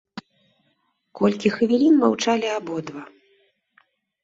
Колькі хвілін маўчалі абодва.